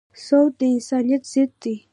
سود د انسانیت ضد دی.